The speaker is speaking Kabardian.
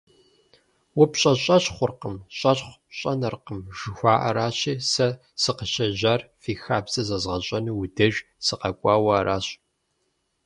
УпщӀэ щӀэщхъуркъым, щӀэщхъу щӀэнэркъым жыхуаӀэращи, сэ сыкъыщӀежьар фи хабзэр зэзгъэщӀэну уи деж сыкъэкӀуауэ аращ.